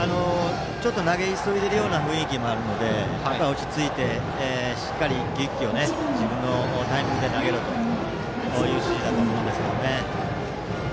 ちょっと投げ急いでいる雰囲気もあるので落ち着いて、しっかり１球１球を自分のタイミングで投げろという指示だと思うんですけどね。